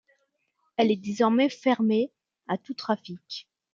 Elle est désormais fermée à tout trafic.